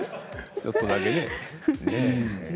ちょっとだけね。